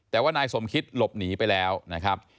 แต่ว่านายสมคิตหลบหนีไปแล้วนะครับ